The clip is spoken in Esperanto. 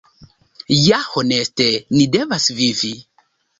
Ja honeste ni devas vivi.